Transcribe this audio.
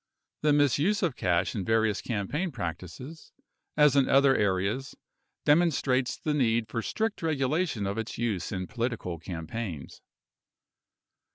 The misuse of cash in various campaign practices, as in other areas, demon strates the need for strict regulation of its use in political campaigns.